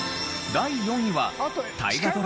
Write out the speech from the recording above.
第３位は『